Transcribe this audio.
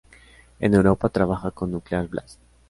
En Europa trabaja con Nuclear Blast.